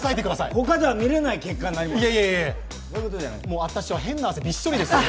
他じゃ見られない結果になりますから。